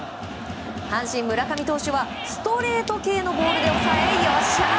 阪神、村上投手はストレート系のボールで抑え、よっしゃ！